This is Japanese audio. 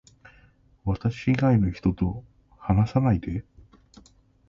私以外の人と話さないで